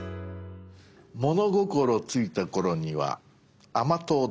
物心ついた頃には甘党だった。